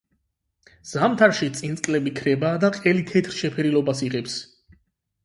ზამთარში წინწკლები ქრება და ყელი თეთრ შეფერილობას იღებს.